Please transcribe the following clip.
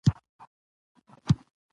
قاضي پوښتنه وکړه، کتابونه یې دې لوستي؟